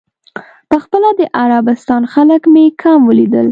په خپله د عربستان خلک مې کم ولیدل.